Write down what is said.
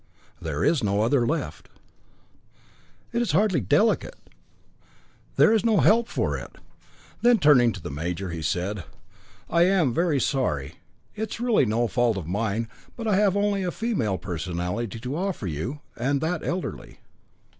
"There is no other left." "It is hardly delicate." "There is no help for it." Then turning to the major, he said: "I am very sorry it really is no fault of mine, but I have only a female personality to offer to you, and that elderly."